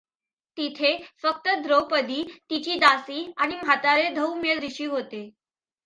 तिथे फक्त द्रौपदी, तिची दासी आणि म्हातारे धौम्य ऋषी होते.